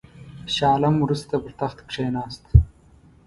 شاه عالم وروسته پر تخت کښېنست.